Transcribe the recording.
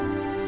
một lần nữa